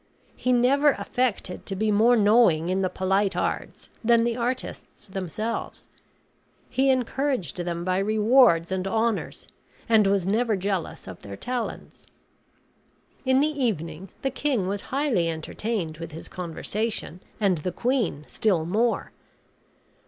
He never affected to be more knowing in the polite arts than the artists themselves; he encouraged them by rewards and honors, and was never jealous of their talents. In the evening the king was highly entertained with his conversation, and the queen still more.